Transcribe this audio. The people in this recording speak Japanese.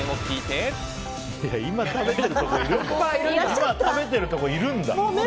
いや、今食べているところいるんだ。